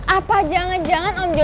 apa jangan jangan om jojo